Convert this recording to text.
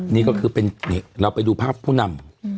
นี่ก็คือเป็นเราไปดูภาพผู้นำ